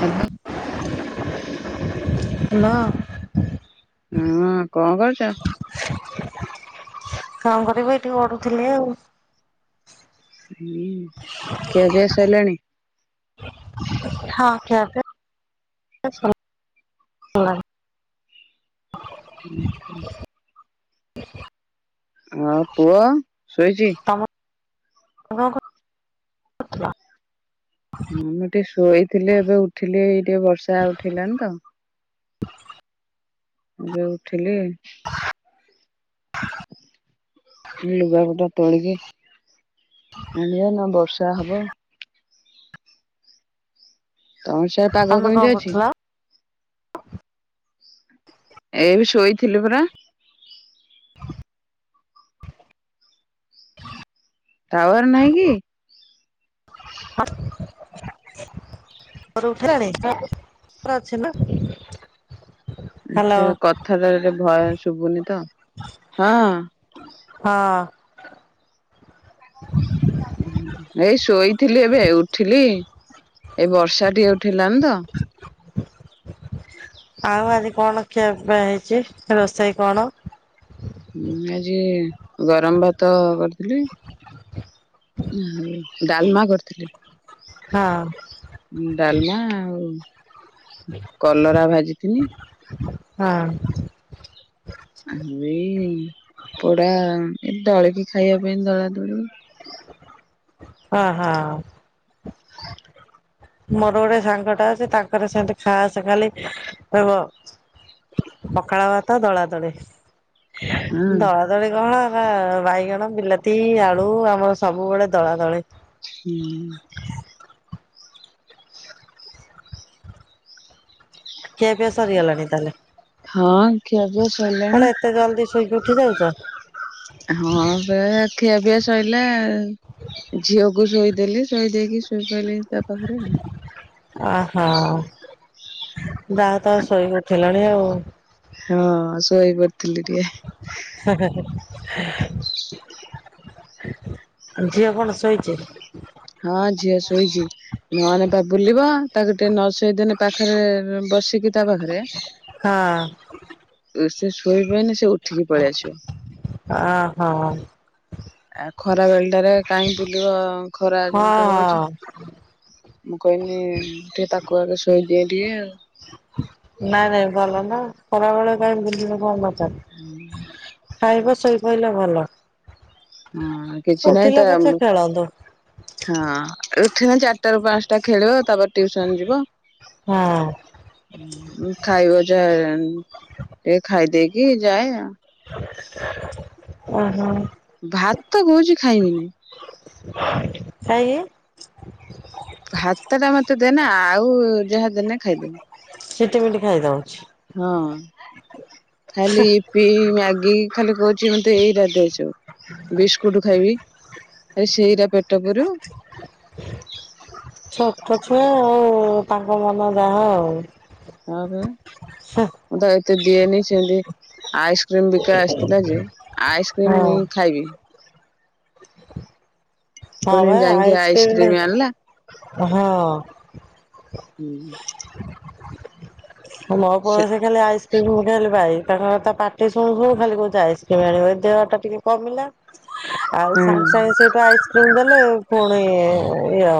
Hello. Hello. ଉଁ। କଣ କରୁଚ? କଣ କରିବି ଟିକେ ଗଡୁଥିଲି ଆଉ। ଉଁ, ଖିଆପିଆ ସଇଲାଣି? ହଁ ଖିଆପିଆ ସ ଲାଣି। [inaudible] ଆଉ ପୁଅ ଶୋଇଚି? ତମ [inaudible] କରୁଥିଲ। ହୁଁ ମୁଁ ଟିକେ ଶୋଇଥିଲି ଏବେ ଉଠିଲି ଏଇ ଟିକେ ବର୍ଷା ଉଠେଇଲାଣି ତ। ଏବେ ଉଠିଲି। ଲୁଗାପଟା ତୋଳିକି [unintelligible] ନ ବର୍ଷା ହବ। ତମ ସିଆଏ ପାଗ ତମେ କଣ କେମିତି ଅଛି? କରୁଥିଲ ଏଇ ବି ଶୋଇଥିଲୁ ପରା। ଟାୱାର ନାହିଁ କି? [inaudible] [unintelligible] ହ୍ୟାଲୋ ଆଛା କଥାଟା ଟିକେ ଭଏ ଶୁଭୁନି ତ। ହଁ। ହଁ। ଏଇ ଶୋଇଥିଲି ଏବେ ଉଠିଲି। ଏଇ ବର୍ଷା ଟିକେ ଉଠେଲାନି ତ। ଆଉ ଆଜି କଣ ଖିଆପିଆ ହେଇଛି ରୋଷେଇ କଣ? ମୁଁ ଆଜି ଗରମ ଭାତ କରିଥିଲି। ଡାଲମା କରିଥିଲି। ହଁ। ଡାଲମା ଆଉ କଲରା ଭାଜିଥିନି। ହଁ। ଏଇ ପୋଡା ଏ ଦଳିକି ଖାଇବା ପାଇଁ ଦଳା ଦଳି। ଅ ହଁ। ମୋର ଗୋଟେ ସାଙ୍ଗ ଟା ଅଛି ତାଙ୍କର ସେମିତି ଖାସ ଖାଲି କଇବ ପଖାଳ ଭାତ ଦଳାଦଳି। ହଁ ଦଳା ଦଳି କଣ କା ବାଇଗଣ, ବିଲାତି, ଆଳୁ ଆମର ସବୁବେଳେ ଦଳାଦଳି। ହୁଁ। ଖିଆପିଆ ସରିଗଲାଣି ତାହେଲେ? ହଁ ଖିଆପିଆ କଣ ସଇଲାଣି। ଏତେ ଜଲ୍ଦି ସୋଇକି ଉଠିଯାଉଛ? ହଁ ପେ ଖିଆପିଆ ସଇଲା। ଝିଅକୁ ଶୋଇଦେଲି ଶୋଇ ଦେଇକି ଶୋଇପଇଲି ତା ପାଖରେ ଆଉ। ଆହା ଯା ହୋଉ ତମେ ଶୋଇକି ଉଠିଲଣି ଆଉ। ହଁ ଶୋଇ ପଡ଼ିଥିଲି ଟିକେ। [unintelligible] ଝିଅ କଣ ଶୋଇଛି। ହଁ ଝିଅ ଶୋଇଛି ନନେ ବା ବୁଲିବ। ତାକୁ ଟେ ନ ସେଇଦିନେ ପାଖରେ ବସିକି ତା ପାଖରେ। ହଁ ସେ ଶୋଇବେନି ସେ ଉଠିକି ପଳେଇଆସିବ। ଓ ହୋ। ଆ ଖରା ବେଳ ଟାରେ କାହିଁ ବୁଲିବ ଖରା ହଁ ହଁ ଯେମତି ହଉଛି। ମୁଁ କହିଲି ଟିକେ ତାକୁ ଆଗେ ଶୋଇଦିଏ ଟିକେ ଆଉ। ନାଇଁ ନାଇଁ ଭଲ ନା ଖରାବେଳେ କାଇହିଁ ବୁଝିନ କଣଚାର। ଖାଇବା ଶୋଇପାରିଲ ଭଲ। ହଁ କିଛି ନହିଁ ଉଠିଲେ ତ। ପଛେ ଖେଳନ୍ତୁ ହଁ ଏଠି ନା ଚାରିଟାରୁ ର ପାଞ୍ଚଟା ଖେଳିବ ତାପରେ ଟିଉସନ ଯିବ। ହଁ। ଖାଇବ ଯ ଟିକେ ଖାଇଦେଇକି ଯାଏ ଆଉ। ଓ ହୋ। ଭାତ କହୁଛି ଖାଇବିନି। ସାଇ କି। ଭାତ ଟା ମତେ ଦେନା ଆଉ ଯାହା ଦେନା ଖାଇଦେବି। ଚିଠମଟି ଖାଇ ଦଉଛି। ହଁ ଖାଲି ଇପି ମ୍ୟାଗି। ଖାଲି କହୁଛି ମତେ ଏଇ ରା ସୁ ବିସ୍କୁଟ ଖାଇବି। ଆରେ ସେଇରା ପେଟ ପରୁବ। ଛୋଟ ଛୁଆ ଆଉ ତାଙ୍କ ମନ ଯାହା ଆଉ। ହଁପ। ମୁଁ ତ ଏତେ ଦିଏନି ସେମିତି ଆଇସ୍କ୍ରିମ ବିକା ଆସିଥିଲା ଯେ। ଆଇସ୍କ୍ରିମ ଖାଇବି। ? [inaudible] ହଁ ପୁଣି ଭ ଯାଇକି ଆଣିଲା ଆଇସ୍କ୍ରିମ ହଁ। ହୁଁ ସମୟ ସେ ପସ ଖାଲି ଆଇ ମୁଁ ଖ ଭାଇ ତାଙ୍କର ତା ପାଟି ଶୁଣୁ ଶୁଣୁ ଖାଲି କୋ ଯାଇ କି ଆଣିବ ଦେହ ଟା ଟିକେ କମିଲା। ହ। ଆଉ ହଁ ସାଙ୍ଗେ ସାଙ୍ଗେ ସେଇଠୁ ଆଇସ୍କ୍ରିମ୍ ଦେଲେ ପୁଣି ଇଏ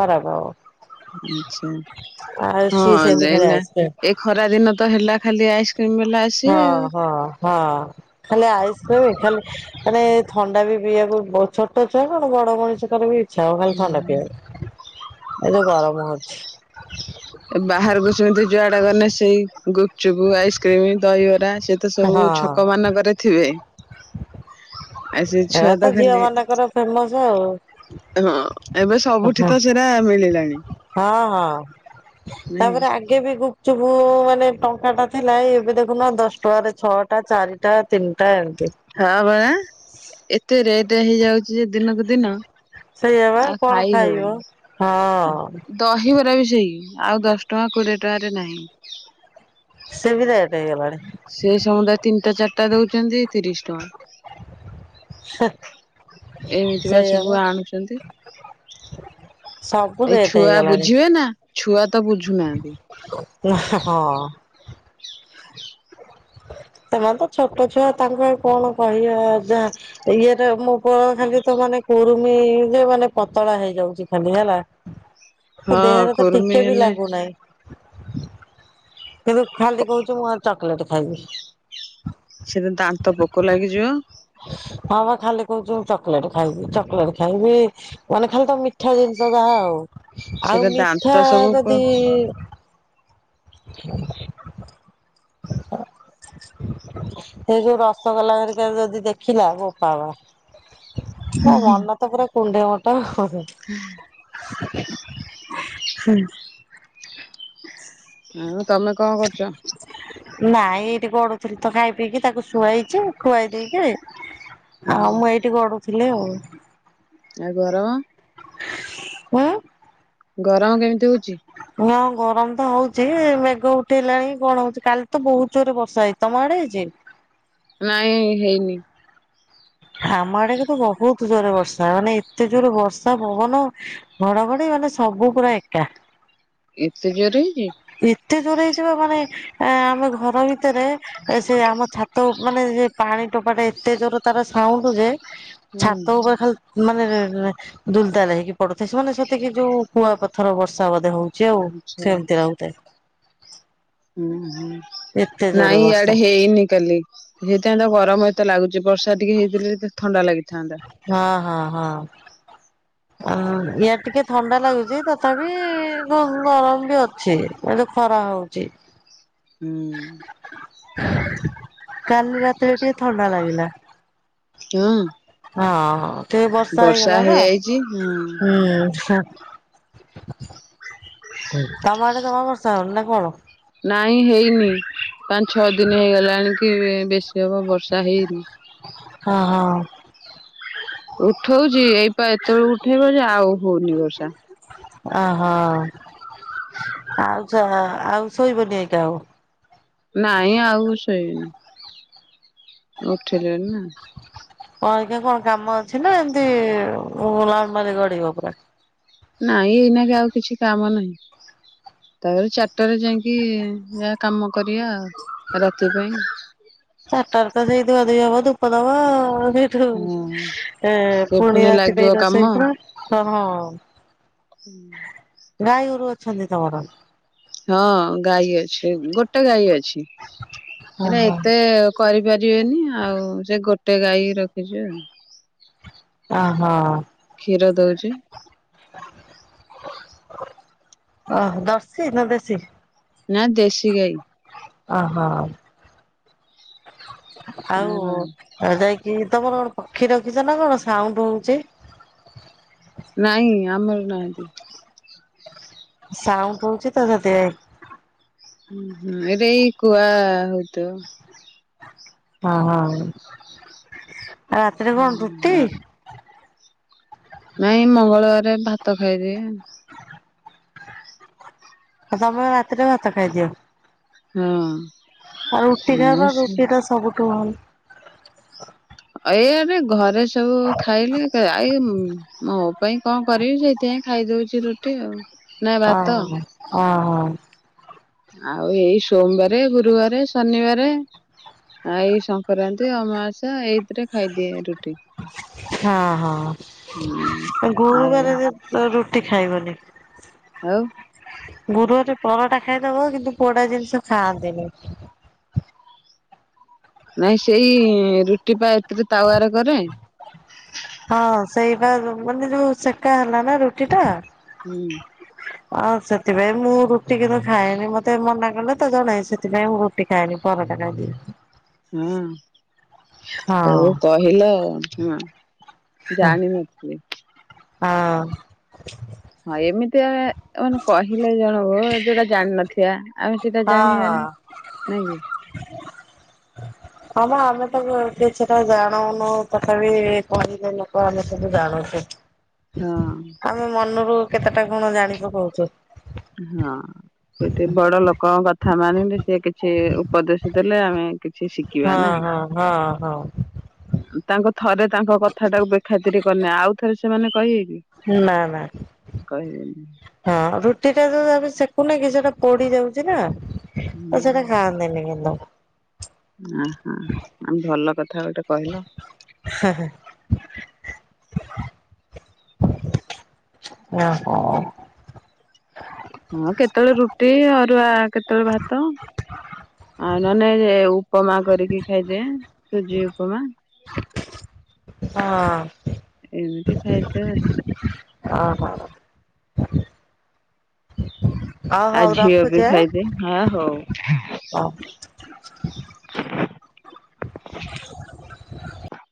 ଖରାପ ହବ। ଆଛା ଆଉ ହଁ ସିଏ ସେମିତି ଖାଲି ଏାଇନା ଆଇସ୍କ୍ରିମ ଏ। ଖରା ଦିନ ତ ହେଲା ଖାଲି ଆଇସ୍କ୍ରିମ ବାଲା ହଁ ଆସିବେ ଆଉ। ହଁ ହଁ ଖାଲି ଆଇସ୍କ୍ରିମ ଖାଲି ମାନେ ଥଣ୍ଡା ବି ପିଇବାକୁ ଛୋଟ ଛୁଆ କଣ ବଡ ମଣିଷ କର ବି ଛଉ ଖାଲି ଥଣ୍ଡା ପିଆବେ ଏ ତ ଗରମ ହଛିଚି। ବାହାରକୁ ସେମିତି ଯୁଆଡା କଲେେ ସେଇ ଗୁପଚୁପ୍ ଆଇସ୍କ୍ରିମ ଦହିବରା ସେ ତେ ସବୁ ହଁ ଛକ ମାନଙ୍କରେ ଥିବେ। ଆଉ ସେ ଏ ଛୁଆ ତ ଝିଅ ଖାଲି ମାନଙ୍କର ଫେମସ ଆଉ। ହଁ ଏବେ ସବୁଠି ତ ସେଟା ମିଳିଲାଣି। ହଁ ହଁ ନାଇଁ ତାପରେ ଆ ବି ଗୁପଚୁପୁ ମାନେ ଟଙ୍କା ଟା ଥିଲା ଏବେ ଦେଖୁନ ଦଶ ଟଙ୍କାରେ ଛଅଟା ଚାରିଟା। ଟା ତିନିଟା ଏମତି। ହଁ ଭ ଏତେ ରେଟ ହେଇଯାଉଛି ଯେ ଦିନକୁ ଦିନ। ସେଇ ହେବା ଆଉ କଣ ଖାଇ ଖାଇବ ହଉନି ହଁ। ଦହିବରା ବି ସେଇ ଆଉ ଦଶ ଟଙ୍କା କୋଡ଼ିଏ ଟଙ୍କାରେ ନାହିଁ। ସେ ବି ରେଟେ ହେଇଗଲାଣି। ସେ ସମୁଦା ତିନିଟା ଚାରିଟା ଦଉଛନ୍ତି ତିରିଶ ଟଙ୍କା। ଏମିତି ବା ସବୁ ଆଣୁଛନ୍ତି। [inaudible] ଏଇ ରେଟ୍ ଛୁଆ ହେଇଗଲାଣି ବୁଝିବେ ନା ଛୁଆ ତ ବୁଝୁନାହାନ୍ତି। ନା ହଁ ସେମାନେ ତ ଛୋଟ ଛୁଆ ତାଙ୍କୁ ଆଉ କଣ କହିବା ଯା ଇଏରେ ମୋ ପୁଅ ଖାଲି ତ ମାନେ କୁରୁମି ଯେ ମାନେ ପତଳା ହେଇଯାଉଛି ଖାଲି ହେଲା। ହଁ ଦେହରେ ତ କୁର୍ମି ଟିକେ ବି ହେଲେ ଲାଗୁନାହିଁ। ତେବେ ଖାଲି କହୁଛି ମୁଁ ଆଉ ଚକୋଲେଟ ଖାଇବି। ସେତ ଦାନ୍ତ ପୋକ ଲାଗିଯିବ। ହଁ ବା ଖାଲି କହୁଛ ଚକୋଲେଟ ଖାଇବି ଚକୋଲେଟ ଖାଇବି। ମାନେ ଖାଲି ତ ମିଠା ଜିନିଷ ଯାହା ଆଉ ସେଟା ଆଉ ଦାନ୍ତ ମିଠା ସବୁ ପ ଯଦି [inaudible] [inaudible] ସେଇ ଯୋଉ ରସଗୋଲାହରିକ ଯଦି ଦେଖିଲା ବୋପା ମା ମୋ ମନ ତ ପୁରା କୁଣ୍ଢେ ମୋଟ ଆଉ। [unintelligible] ହେ ଉ ତମେ କଣ କରୁଛ? ନାଇଁ ଏଇଠି ଗଡୁଥିଲି ତ ଖାଇ ପିଇକି ତାକୁ ଶୁଆଇଛି ଖୁଆଇ ଦେଇକି। ଆଉ ହୁଁ ମୁଁ ଏଇଠି ଗଢୁଥିଲି ଆଉ। ଆଉ ଗରମ ଉଁ ଗରମ କେମିତି ହଉଛି? ହ ଗରମ ତ ହଉଛି ମେଘ ଉଠେଇଲାଣି କଣ ହଉଛି କାଲି ତ ବହୁତ ଜୋରରେ ବର୍ଷା ହେଇ ତମ ଆଡ଼େ ହେଇଛି? ନାଇଁ ହେଇନି। ଆମ ଆଡେ କି ତ ବହୁତ ଜୋରରେ ବର୍ଷା ମାନେ ଏତେ ଜୋର ବର୍ଷା ପବନ। ଘଡ ଘଡି ମାନେ ସବୁ ପୁରା ଏକା। ଏତେ ଜୋରେ ହେଇଛି? ଏତେ ଦୋର ହେଇଯିବା ମାନେ ଆମେ ଘର ଭିତରେ ସେ ଆମ ଛାତ ମାନେ ସେ ପାଣି ଟୋପା ଟା ଏତେ ଜୋର ତାର ସାଉଣ୍ଡୁ ଯେ ହୁଁ ଛାତ ଉପରେ ଖାଲି ମାନେ ଦୁଲତାାଲ ହେଇକି ପଡୁଥାଏ ସେମାନେ ସେତିକି ଯୋଉ କୁଆ ପଥର ବର୍ଷା ବୋଧେ ହଉ। ଯେଉ ଆଚ୍ଛା ସେମିତି ରହୁଥାଏ। ହୁଁ ଏତେ ହଁ ଜୋରେ ନାଇଁ ବର୍ଷା ଇଆଡେ ହେଇନି କାଲି। ହେଇଥାନ୍ତା ଗରମ ଏତେ ଲାଗୁଛି ବର୍ଷା ଟିକେ ହେଇଥିଲେେ ଥଣ୍ଡା ଲାଗିଥାନ୍ତା। ହଁ ହଁ ହଁ। ଆ ୟା ଟିକେ ଥଣ୍ଡା ଲାଗୁଚି ତଥାପି ଗରମ ବି ଅଛି। ଏତୁ ଖରା ହଉଛି। ହୁଁ। କାଲି ରାତିରେ ଟିକେ ଥଣ୍ଡା ଲାଗିଲା। ହଁ। ହଁ ହଁ ଟିକେ ବର୍ଷା ହେଇଗଲା ନା ହେଇଯାଇଛି ହଁ ହୁଁ ତମ ଆଡେ ଜମା ବର୍ଷା ହେଉନି ନା କଣ? ନାଇଁ ହେଇନି ପାଞ୍ଚ ଛଅ ଦିନ ହେଇଗଲାଣି କି ବେଶୀ ହବ ବର୍ଷା ହେଇନି। ହଁ ହଁ। ଉଠଉଛି ଏଇପା ଏତେବେଳକୁ ଉଠେଇବ ଯେ ଆଉ ହଉନି ବର୍ଷା। ଅ ହ ଆଉ ଆଉ ଶୋଇବନି ଏଇକା ଆଉ ନାଇଁ ଆଉ ଶୋଇବିନି ଉଠିଲିଣି ନା। କଣ ଏଇଖା କଣ କାମ ଅଛି ନା ଏମିତି ନର୍ମାଲି ଗଡିବ ପୁରା। ନାଇଁ ଏଇନା ବି ଆଉ କିଛି କାମ ନାହିଁ। ତାପରେ ଚାରିଟାରେ ଯାଇକି ଯାହା କାମ କରିବା ଆଉ ରାତି ପାଇଁ। ଚାରିଟାର ତ ସେଇ ଧୁଆଧୁଇ ହେବ ଧୂପ ଦବ ସେ ହଁ ଏ ସେ ପୁଣି ରାତି ଲାଗିବ ପାଇଁ ରୋଷେଇ କାମ। କର ହଁ। ହୁଁ ଗାଈଗୋରୁ ଅଛନ୍ତି ତମର? ହଁ ଗାଈ ଅଛି ଗୋଟେ ଗାଈ ଅଛି ହଁ ହେଲେ ହଁ। ଏତେ କରିପାରିବେନି ଆଉ ସେ ଗୋଟେ ଗାଈ ରଖିଛି ଆଉ। ଅ ହ କ୍ଷୀର ଦଉଛି ଓହୋ ଜର୍ସୀ ନା ଦେଶୀ? ନା ଦେଶୀ ଗାଈ। ଅ ହ। ଆଉ ଆମର ଯାଇକି ତମର କଣ ପକ୍ଷୀ ରଖିଛ ନା କଣ ସାଉଣ୍ଡ ହଉଛି। ନାଇଁ ଆମରି ନାଇ। ସାଉଣ୍ଡ ହଉଛି ତ ସେଥି ପାଇଁ। ହୁଁ ଏଇଟା ଏଇ କୁଆ ହଉଥିବ। ହ ହଁ ରାତିରେ ହୁଁ କଣ ରୁଟି? ନାଇଁ ମଙ୍ଗଳବାରରେ ଭାତ ଖାଇଦିଏ। ଆଉ ତମେ ରାତିରେ ଭାତ ଖାଇଦିଅ। ହଁ। ଆଉ ରୁଟି ଖାଇବା ରୁଟି ଟା ସବୁଠୁ ଭଲ। ଏଇଆ ରେ ଘରେ ସବୁ ଖାଇଲେ। ଆ ମୋ ପାଇଁ କଣ କରିବି ସେଇଥିପାଇଁ ଖାଇଦଉଛି ରୁଟି ଆଉ। ନା ଅ ହ ଭାତ ଅ ହ। ଆଉ ଏଇ ସୋମବାରେ, ଗୁରୁବାରେ, ଶନିବାରେ ଆ ଏଇ ସଂକ୍ରାନ୍ତି, ଅମାବାସ୍ୟା ଏଇଥିରେ ଖାଇଦିଏ ରୁଟି। ହଁ ହୁଁ ହଁ ଆଉ ଗୁରୁବାରରେ ରୁଟି ଖାଇବନି। ଆଉ ଗୁରୁବାରେ ପରଟା ଖାଇଦବ କିନ୍ତୁ ପୋଡା ଜିନିଷ ଖାଆନ୍ତିନି। ନାଇଁ ସେଇ ରୁଟି ପା ଏଥିରେ ତାୱାରେ କରେ। ହଁ ସେଇ ବା ମାନେ ଯୋଉ ସେକା ହେଲା ନା ରୁଟି ଟା ହୁଁ ହଁ ସେଥିପାଇଁ ମୁଁ ରୁଟି କିନ୍ତୁ ଖାଏନି ମତେ ମନା କଲେ ତ ଜଣେ ସେଥିପାଇଁ ମୁଁ ରୁଟି ଖାଏନି ପରଟା ଖାଏ। ହଁ ହଉ କହିଲ ଆ ହଁ। ଜାଣିିନଥିଲି। ଅ। ହଁ ଏମିତି ଆ ମାନେ କହିଲେ ଜଣଙ୍କୁ ଯୋଉଟା ଜାଣିନଥିବା। ଆମେ ହଁ ସେଟା ହଁ। ଜାଣିବାନି ନାଇଁ କି? [unintelligible] ହଁ ବା ଆମେ ତ କିଛିଟା ଜାଣଉନୁ ତଥାପି କହିଦେଲେ ଲୋକ ଆମେ ସବୁ ଜାଣୁଛୁ। [unintelligible] ହଁ। ଆମେ ମନରୁ କେତେଟା କଣ ଜାଣି ପକୋଉଚୁ। ହଁ। ସେଠି ବଡ ଲୋକଙ୍କ କଥା ମାନିଲେ ସେ କିଛି ଉପଦେଶ ଦେଲେ ଆମେ କିଛି ଶି ହଁ ହଁ ହଁ ହଁ। ତାଙ୍କ ଥରେ ତାଙ୍କ କଥା ଟାକୁ ବେଖାତିରି କରିନେ ଆଉ ଥରେ ସେମାନେ କହିବେ କି। ନାଁ ନାଁ କହିବେନି ହଁ ରୁଟି ଟେ ସେକୁନେ କି ସେଟା ପୋଡି ଯାଉଛି ନା ତ ସେଟା ଖାଆନ୍ତିନି କିନ୍ତୁ। ଓହୋ ଭଲ କଥା ଗୋଟେ କହିଲ। ହଁ ହଁ [inaudible] ଓହୋ। ହଁ କେତେବେଳେ ରୁଟି ଅରୁଆ କେତେବେଳେ ଭାତ ଆଉ ନଅନେ ଉପମା କରିକି ଖାଇଦିଏ ସୁଜି ଉପମା। ହଁ ଏମିତି ଖାଇଦିଏ ଆଉ। ଅ ହୋ। ଓ ଆଉ ହଉ ଝିଅ ବି ରଖୁଛି ଆଁ ଖାଇଦିଏ ହଁ ହଉ। ହଉ। [inaudible] [inaudible]